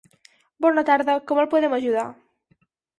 Bona tarda, com el podem ajudar?